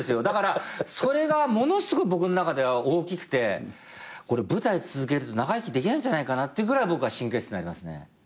だからそれがものすごい僕の中では大きくてこれ舞台続けると長生きできないんじゃないかなっていうぐらい僕は神経質になりますね。